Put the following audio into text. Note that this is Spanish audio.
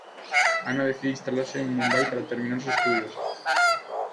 Anna decide instalarse en Mumbai para terminar sus estudios.